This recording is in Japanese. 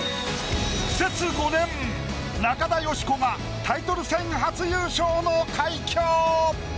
苦節５年中田喜子がタイトル戦初優勝の快挙。